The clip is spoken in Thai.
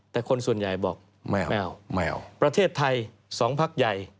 แต่คนส่วนใหญ่บอกไม่เอาประเทศไทยทั้ง๒ภักดิ์ใหญ่